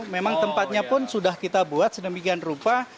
memang tempatnya pun sudah kita buat sedemikian rupa